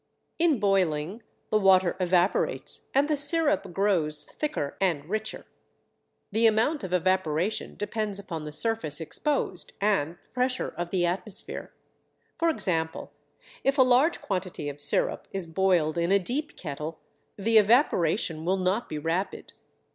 In boiling the water evaporates and the sirup grows thicker and richer. The amount of evaporation depends upon the surface exposed and the pressure of the atmosphere. For example, if a large quantity of sirup is boiled in a deep kettle the evaporation will not be rapid.